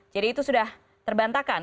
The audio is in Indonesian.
jadi itu sudah terbantakan